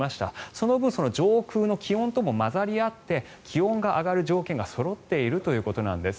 その分上空の気温とも混ざり合って気温が上がる条件がそろっているということなんです。